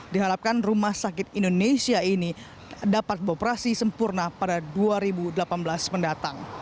diharapkan rumah sakit indonesia ini dapat beroperasi sempurna pada dua ribu delapan belas mendatang